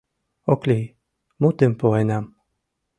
Ок лий, мутым пуэнам.